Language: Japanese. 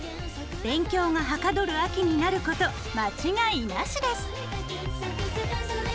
勉強がはかどる秋になること間違いなしです。